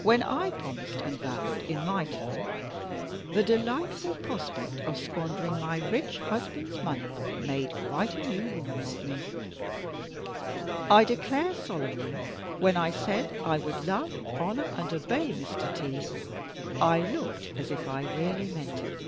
When I promised and vowed, in my turn, the delightful prospect of squandering my rich husband's money made quite a new woman of me. I declare solemnly, when I said I would love, honor, and obey Mr. T., I looked as if I really meant it.